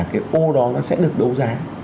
cái ô đó nó sẽ được đấu giá